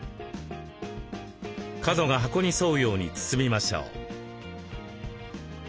角が箱に沿うように包みましょう。